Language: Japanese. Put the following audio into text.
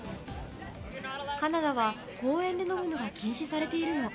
カナダは、公園で飲むのが禁止されているの。